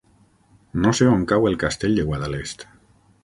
No sé on cau el Castell de Guadalest.